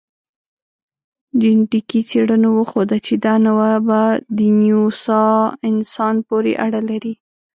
جنټیکي څېړنو وښوده، چې دا نوعه په دنیسووا انسان پورې اړه لري.